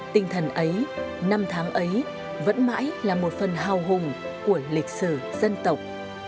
tinh thần ấy năm tháng ấy vẫn mãi là một phần hào hùng của lịch sử dân tộc